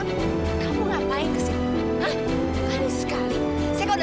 kamu ngapain kesini